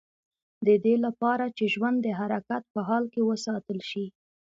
د دې لپاره چې ژوند د حرکت په حال کې وساتل شي.